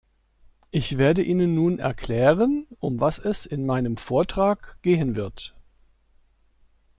Ich werde Ihnen nun erklären, um was es in meinem Vortrag gehen wird.